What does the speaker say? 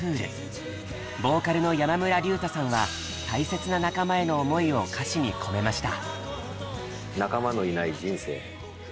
ボーカルの山村隆太さんは大切な仲間への思いを歌詞に込めました。